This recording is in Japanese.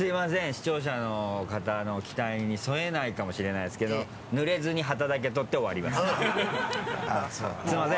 視聴者の方の期待に添えないかもしれないですけどぬれずに旗だけ取って終わりますうん。